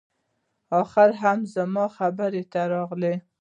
اخیر هم زما خبرې ته راغلې